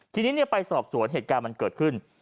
ทีนี้ไปสอบสวนเหตุการณ์มันเกิดขึ้น